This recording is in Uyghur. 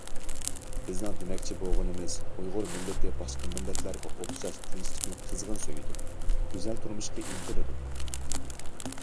بىزنىڭ دېمەكچى بولغىنىمىز، ئۇيغۇر مىللىتى باشقا مىللەتلەرگە ئوخشاش تىنچلىقنى قىزغىن سۆيىدۇ، گۈزەل تۇرمۇشقا ئىنتىلىدۇ.